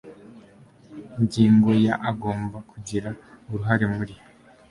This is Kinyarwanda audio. ingingo ya abagomba kugira uruhare muri